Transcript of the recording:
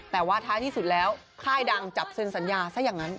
แต่ว่าท้ายที่สุดแล้วค่ายดังจับเซ็นสัญญาซะอย่างนั้น